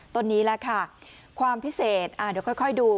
ต้นนี้แหละค่ะความพิเศษเดี๋ยวค่อยดู